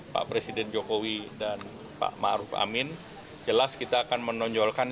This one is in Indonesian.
pak presiden jokowi dan pak ⁇ maruf ⁇ amin jelas kita akan menonjolkan